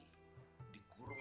dikurung dikerasi lagi